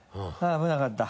危なかった。